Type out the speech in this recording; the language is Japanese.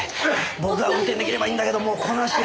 僕が運転出来ればいいんだけどもうこの足じゃ。